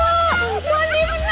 ada yang brazil kesan